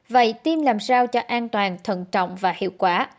vậy tiêm làm sao cho an toàn thận trọng và hiệu quả